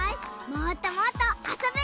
もっともっとあそぶ。